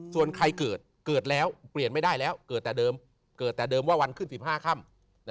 ส่วนใครเกิดเกิดแล้วเปลี่ยนไม่ได้แล้วเกิดแต่เดิมว่าวันขึ้น๑๕ค่ำ